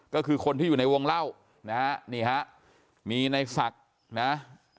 ก็คือคนที่อยู่ในวงเล่านะฮะนี่ฮะมีในศักดิ์นะ